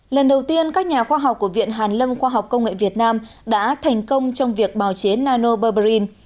lần đầu tiên các nhà khoa học của viện hàn lâm khoa học công nghệ việt nam đã thành công trong việc bào chế nanobarbarin